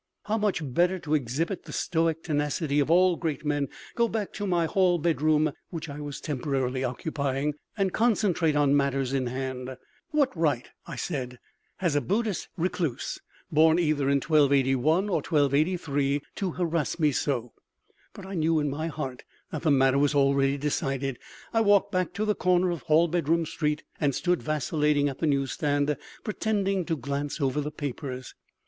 How much better to exhibit the stoic tenacity of all great men, go back to my hall bedroom (which I was temporarily occupying) and concentrate on matters in hand. What right, I said, has a Buddhist recluse, born either in 1281 or 1283, to harass me so? But I knew in my heart that the matter was already decided. I walked back to the corner of Hallbedroom street, and stood vacillating at the newsstand, pretending to glance over the papers.